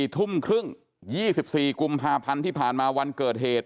ทุ่มครึ่ง๒๔กุมภาพันธ์ที่ผ่านมาวันเกิดเหตุ